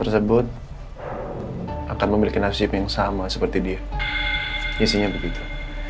seperti dia isinya begitu